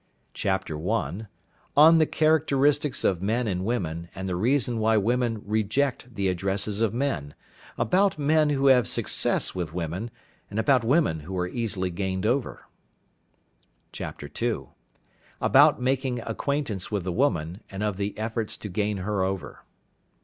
Chapter I. On the Characteristics of Men and Women, and the reason why Women reject the Addresses of Men. About Men who have Success with Women, and about Women who are easily gained over. " II. About making Acquaintance with the Woman, and of the efforts to gain her over.